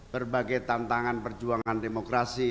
berbagai tantangan perjuangan demokrasi